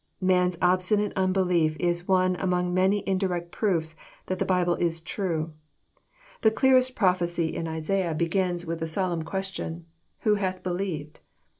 Man's obstinate unbelief is one among many indirect proofs that the Bible is true. The clearest prophecy in Isaiah begins with the solemn question, '' Who hath believed?